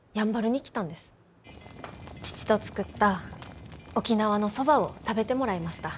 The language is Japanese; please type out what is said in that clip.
父と作った沖縄のそばを食べてもらいました。